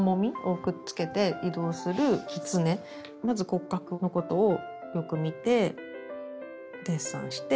まず骨格のことをよく見てデッサンして。